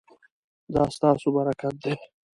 دا ستاسو برکت دی